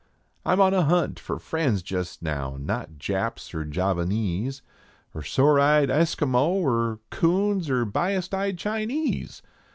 I m on a hunt fer friends jist now, not Japs er Javanese, Or sore eyed Esquimaux, er Coons, er bias eyed Chinese.